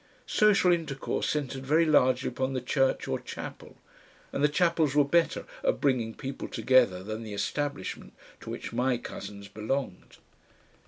Social intercourse centred very largely upon the church or chapel, and the chapels were better at bringing people together than the Establishment to which my cousins belonged.